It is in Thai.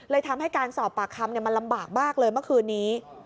ทำให้การสอบปากคำมันลำบากมากเลยเมื่อคืนนี้